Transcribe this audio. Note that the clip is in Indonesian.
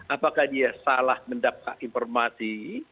apakah dia salah mendapat informasi